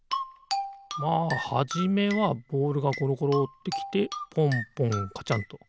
まあはじめはボールがころころっときてポンポンカチャンと。